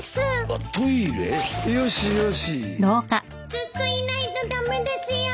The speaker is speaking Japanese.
・ずっといないと駄目ですよ。